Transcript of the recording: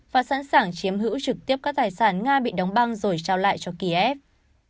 và sẵn sàng chiếm hữu trực tiếp các tài sản nga bị đóng băng rồi trao lại cho kiev